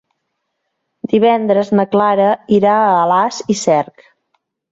Divendres na Clara irà a Alàs i Cerc.